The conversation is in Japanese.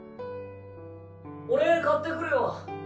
俺買ってくるよ。